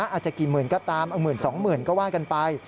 อาจจะกี่หมื่นก็ตามเอาหมื่นสองหมื่นก็ว่ากันไป